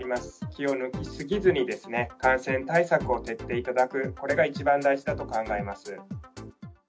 気を抜き過ぎずに、感染対策を徹底していただく、これが一番大事だと考えます。